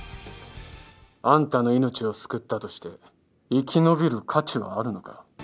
あんたの命を救ったとして生き延びる価値はあるのか？